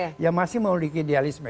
maksudnya ini adalah tokoh tokoh idealisme